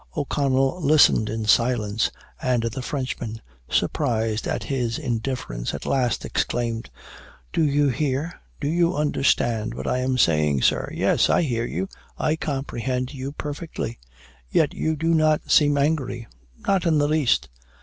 O'Connell listened in silence; and the Frenchman, surprised at his indifference, at last exclaimed, "Do you hear, do you understand what I am saying, sir?" "Yes, I hear you, I comprehend you perfectly." "Yet you do not seem angry?" "Not in the least."